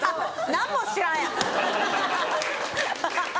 何も知らんやん。